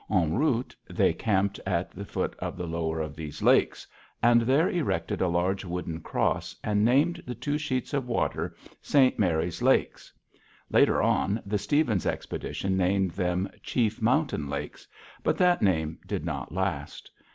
En route they camped at the foot of the lower of these lakes, and there erected a large wooden cross, and named the two sheets of water, St. Mary's Lakes. Later on, the Stevens expedition named them Chief Mountain Lakes, but that name did not last.